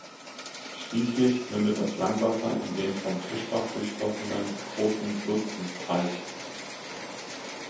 Schließlich mündet das Langwasser in den vom Fischbach durchflossenen Großen Dutzendteich.